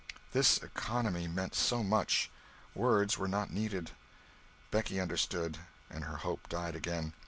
This economy meant so much! Words were not needed. Becky understood, and her hope died again.